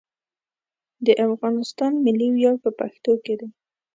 د افغانستان ملي ویاړ په پښتنو کې دی.